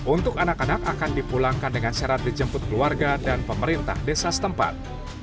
untuk anak anak akan dipulangkan dengan syarat dijemput keluarga dan pemerintah desa setempat